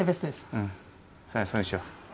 うんそれにしよう。